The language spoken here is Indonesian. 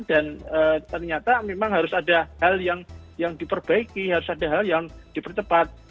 dan ternyata memang harus ada hal yang diperbaiki harus ada hal yang dipercepat